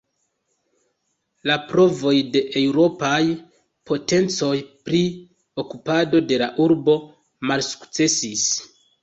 La provoj de eŭropaj potencoj pri okupado de la urbo malsukcesis.